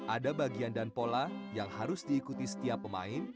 ada bagian dan pola yang harus diikuti setiap pemain